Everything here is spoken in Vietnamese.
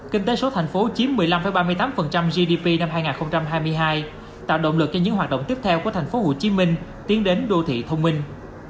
kinh tế số thành phố chiếm một mươi năm ba mươi tám gdp năm hai nghìn hai mươi hai tạo động lực cho những hoạt động tiếp theo của tp hcm tiến đến đô thị thông minh